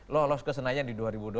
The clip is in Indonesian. lolos ke senayan di dua ribu dua puluh